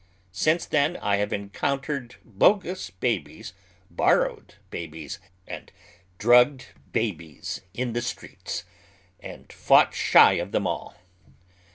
Since then I have encountered bogus babies, borrowed babies, and drugged babies in the streets, and fought shy of them all.